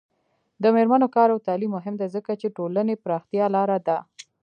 د میرمنو کار او تعلیم مهم دی ځکه چې ټولنې پراختیا لاره ده.